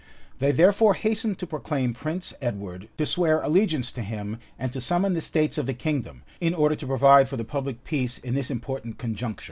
They therefore hastened to proclaim Prince Edward, to swear allegiance to him, and to summon the states of the kingdom, in order to provide for the public peace in this important conjuncture.